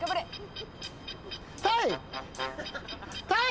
タイ。